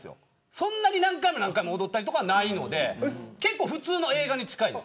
そんなに何回も踊ったりとかないので普通の映画に近いです。